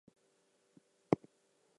This is imported from the Cape of Good Hope.